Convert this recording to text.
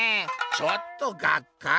ちょっとがっかり」。